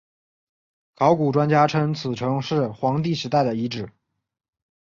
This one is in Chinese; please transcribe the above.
考古专家称此城是黄帝时代的遗址。